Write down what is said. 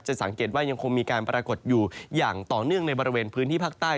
สังเกตว่ายังคงมีการปรากฏอยู่อย่างต่อเนื่องในบริเวณพื้นที่ภาคใต้